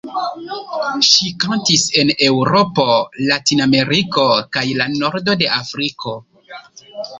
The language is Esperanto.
Ŝi kantis en Eŭropo, Latinameriko kaj la nordo de Afriko.